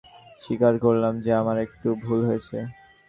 স্বীকার করলাম যে আমার একটু ভুল হয়েছে।